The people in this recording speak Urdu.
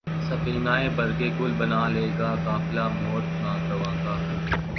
سفینۂ برگ گل بنا لے گا قافلہ مور ناتواں کا